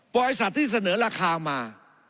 บริษัทที่เสนอราคามา